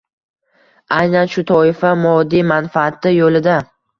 Aynan shu toifa moddiy manfaati yo‘lida